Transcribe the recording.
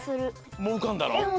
もううかんだの？